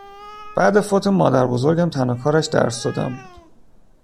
بعد فوت مادربزرگم تنها کارش درس دادن بود